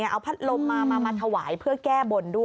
เอาพัดลมมาถวายเพื่อก้วยแก้บน